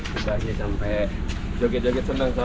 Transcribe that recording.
kita aja sampai joget joget senang sekarang